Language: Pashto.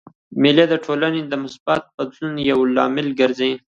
مېلې د ټولني د مثبت بدلون یو لامل ګرځي.